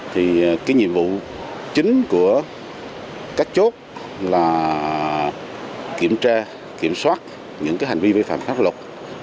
thì cái nhiệm vụ chính của các chốt là kiểm tra kiểm soát những cái hành vi vi phạm pháp luật